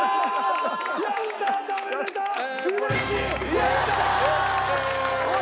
やったー！